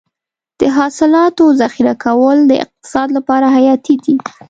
د حاصلاتو ذخیره کول د اقتصاد لپاره حیاتي دي.